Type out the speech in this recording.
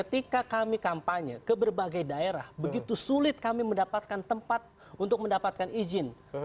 ketika kami kampanye ke berbagai daerah begitu sulit kami mendapatkan tempat untuk mendapatkan izin